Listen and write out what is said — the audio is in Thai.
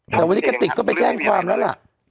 แต่วันนี้กะติกก็ไปแจ้งความนั้น